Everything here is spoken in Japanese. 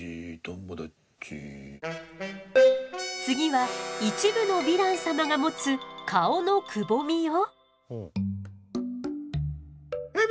次は一部のヴィラン様が持つ顔のくぼみよ。